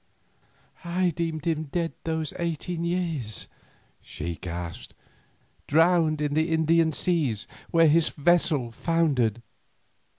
"I deemed him dead these eighteen years," she gasped; "drowned in the Indian seas where his vessel foundered."